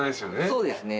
そうですね